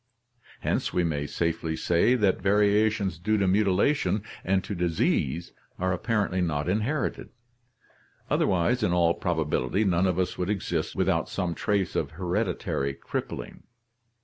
Hence we may safely say that variations due to mutilation and to disease are apparently not inherited, otherwise in all probability none of us would exist without some trace of hereditary crippling.